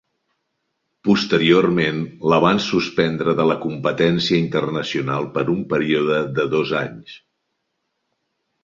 Posteriorment la van suspendre de la competència internacional per un període de dos anys.